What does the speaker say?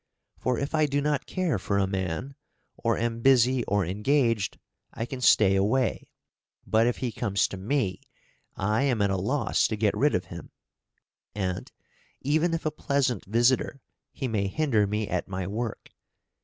For if I do not care for a man, or am {PREPARATIONS FOR TRAVELLING.} (349) busy or engaged, I can stay away; but if he comes to me, I am at a loss to get rid of him; and, even if a pleasant visitor, he may hinder me at my work.